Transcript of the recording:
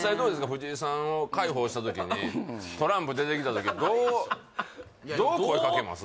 ふじいさんを介抱した時にトランプ出てきた時どうどう声かけます？